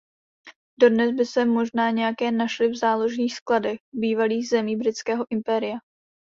Dodnes by se možná nějaké našly v záložních skladech bývalých zemí Britského impéria.